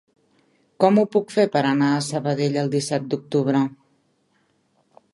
Com ho puc fer per anar a Sabadell el disset d'octubre?